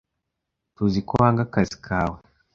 Tuziko wanga akazi kawe.